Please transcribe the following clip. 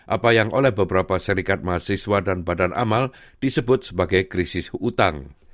apa yang oleh beberapa serikat mahasiswa dan badan amal disebut sebagai krisis hutang